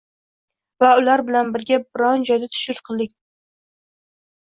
va ular bilan birga biron joyda tushlik qiling.